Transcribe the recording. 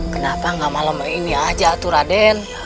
kenapa gak malam ini aja atu raden